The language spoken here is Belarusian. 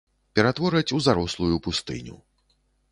Ператвораць у зарослую пустыню.